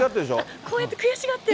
こうやって悔しがってる。